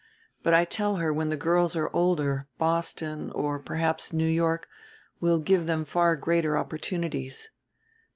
But I tell her when the girls are older Boston, or perhaps New York, will give them far greater opportunities.